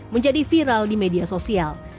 menjadi viral di media sosial